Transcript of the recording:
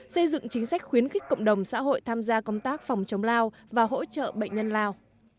xây dựng chính sách khuyến khích cộng đồng xã hội tham gia công tác phòng chống lao và hỗ trợ bệnh nhân lao